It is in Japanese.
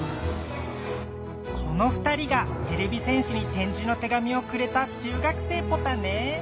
この２人がてれび戦士に点字の手紙をくれた中学生ポタね。